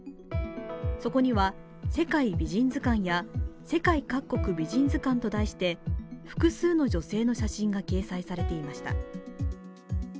そこには、世界美人図鑑や世界各国美人図鑑と題して複数の女性の写真が掲載されていました。